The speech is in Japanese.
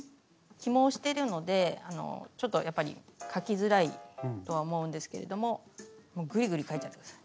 起毛してるのでちょっとやっぱり描きづらいとは思うんですけれどももうぐりぐり描いちゃって下さい。